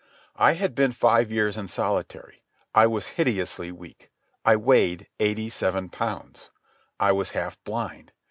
I had been five years in solitary. I was hideously weak. I weighed eighty seven pounds. I was half blind.